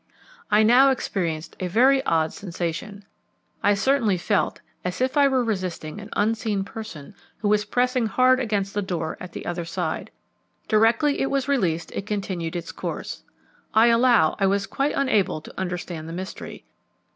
I now experienced a very odd sensation; I certainly felt as if I were resisting an unseen person who was pressing hard against the door at the other side. Directly it was released it continued its course. I allow I was quite unable to understand the mystery.